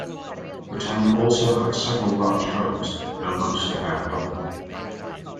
The town also had several large homes, though most are now gone.